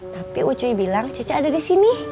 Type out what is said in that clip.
tapi oce bilang cece ada di sini